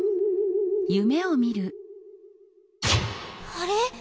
あれ？